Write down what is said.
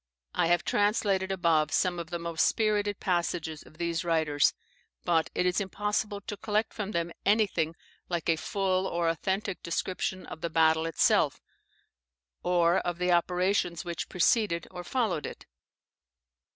I have translated above some of the most spirited passages of these writers; but it is impossible to collect from them anything like a full or authentic description of the great battle itself, or of the operations which preceded or followed it.